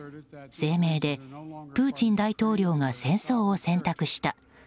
声明で、プーチン大統領が戦争を選択した。